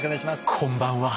こんばんは。